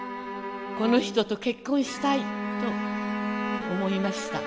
「この人と結婚したいと思いました。